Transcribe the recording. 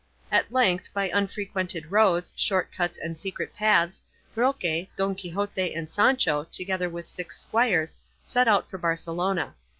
At length, by unfrequented roads, short cuts, and secret paths, Roque, Don Quixote, and Sancho, together with six squires, set out for Barcelona.